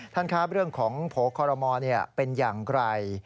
ท่านครับเรื่องของโผล่คอรมอลเป็นอย่างไร